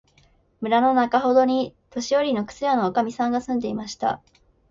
村のなかほどに、年よりの靴屋のおかみさんが住んでいました。